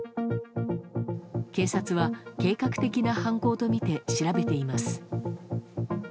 警察は計画的な犯行とみて調べています。